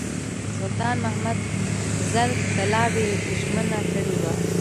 سلطان محمود زر طلاوو ژمنه کړې وه.